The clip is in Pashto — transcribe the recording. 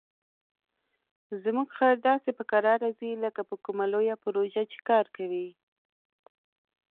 زموږ خر داسې په کراره ځي لکه په کومه لویه پروژه چې کار کوي.